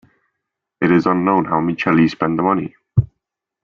It is unknown how Miceli spent the money.